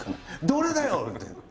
「どれだよ！？」